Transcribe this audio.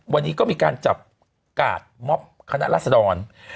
วันนี้ก็มีการจับกาดม็อบคณะรัศดร